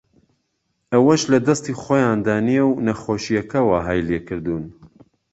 ئەوەش لەدەستی خۆیاندا نییە و نەخۆشییەکە وەهای لێکردوون